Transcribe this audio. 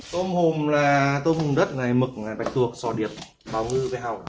tôm hùm là tôm hùm đất mực là bạch tuộc sò điệp bào ngư hàu